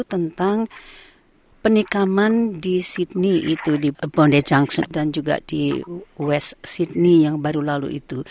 tentang penikaman di sydney itu di bonda junksen dan juga di west sydney yang baru lalu itu